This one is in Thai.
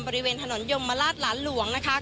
บริเวณถนนยมราชหลานหลวงนะคะ